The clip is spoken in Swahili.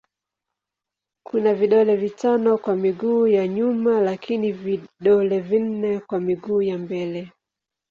Kuna vidole vitano kwa miguu ya nyuma lakini vidole vinne kwa miguu ya mbele.